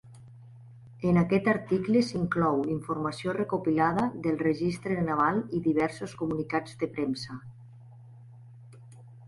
En aquest article s'inclou informació recopilada del registre naval i diversos comunicats de premsa.